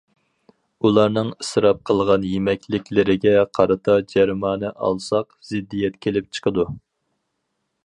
ئۇلارنىڭ ئىسراپ قىلغان يېمەكلىكلىرىگە قارىتا جەرىمانە ئالساق، زىددىيەت كېلىپ چىقىدۇ.